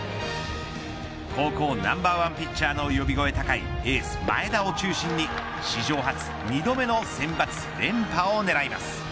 高校ナンバーワンピッチャーの呼び声高いエース、前田を中心に史上初２度目のセンバツ連覇を狙います。